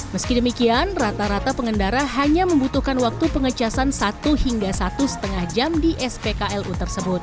meski demikian rata rata pengendara hanya membutuhkan waktu pengecasan satu hingga satu lima jam di spklu tersebut